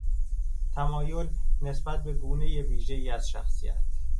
تمایل نسبت به گونهی ویژهای از شخصیت